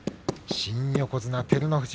新横綱照ノ富士